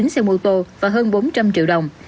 chín xe mô tô và hơn bốn trăm linh triệu đồng